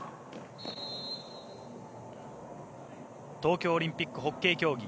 東京オリンピックホッケー競技。